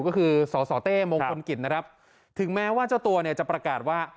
ก็คือสสเต้มงคลมกิจถึงแม้ว่าเจ้าตัวจะประกาศว่า